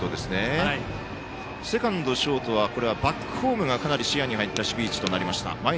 セカンド、ショートはバックホームが視野に入った守備位置となりました。